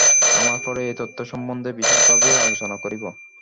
আমরা পরে এই তত্ত্ব-সম্বন্ধে বিশেষভাবে আলোচনা করিব।